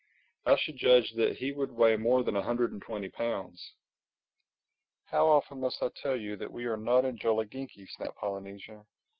I should judge that he would weigh more than a hundred and twenty pounds." "How often must I tell you that we are not in Jolliginki," snapped Polynesia.